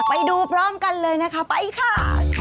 ไปดูพร้อมกันเลยนะคะไปค่ะ